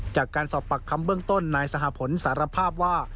จากการสอบปากคำเบื้องต้นนายสหพลสารภาพว่า